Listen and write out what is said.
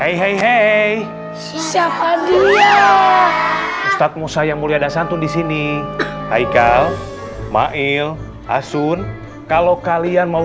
hai hei hei siapa dia ustadz musa yang mulia dan santun disini haikal mail asun kalau kalian mau